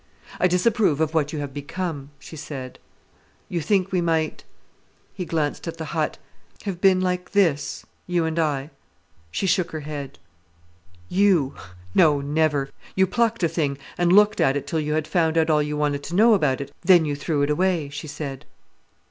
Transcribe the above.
"I disapprove of what you have become," she said. "You think we might"—he glanced at the hut—"have been like this—you and I?" She shook her head. "You! no; never! You plucked a thing and looked at it till you had found out all you wanted to know about it, then you threw it away," she said.